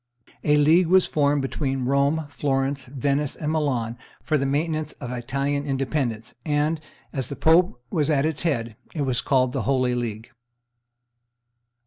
A league was formed between Rome, Florence, Venice, and Milan for the maintenance of Italian independence; and, as the pope was at its head, it was called the Holy League.